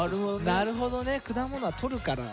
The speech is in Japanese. なるほどね果物はとるから。